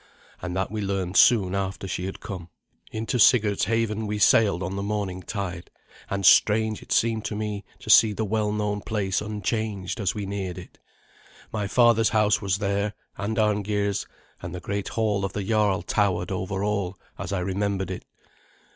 And that we learned soon after she had come. Into Sigurd's haven we sailed on the morning tide, and strange it seemed to me to see the well known place unchanged as we neared it. My father's house was there, and Arngeir's, and the great hall of the jarl towered over all, as I remembered it.